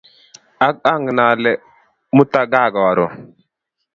Ak angen ale 'muta ga karun